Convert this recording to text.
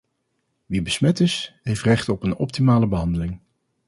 Wie besmet is, heeft recht op een optimale behandeling.